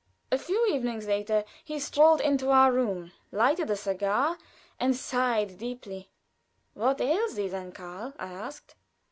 A few evenings later he strolled into our room, lighted a cigar, and sighed deeply. "What ails thee, then, Karl?" I asked.